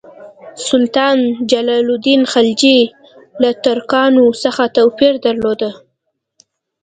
سلطان جلال الدین خلجي له ترکانو سره توپیر درلود.